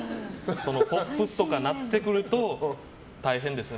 ポップスとかになってくると大変ですね。